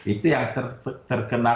itu yang terkena